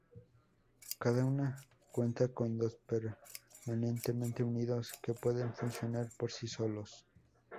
Cada uno cuenta con dos permanentemente unidos que pueden funcionar por sí solos.